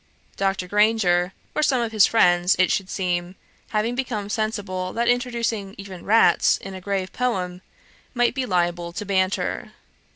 Dr. Grainger, or some of his friends, it should seem, having become sensible that introducing even Rats in a grave poem, might be liable to banter.